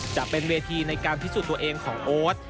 จะเป็นเวทีในการพิสูจน์ตัวเองของโอ๊ต